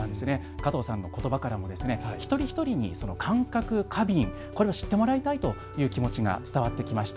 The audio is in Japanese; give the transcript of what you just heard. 加藤さんのことからも一人一人に感覚過敏、これを知ってもらいたいという気持ちが伝わってきました。